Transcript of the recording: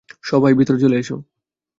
সবাই, ভিতরে চলে এসো।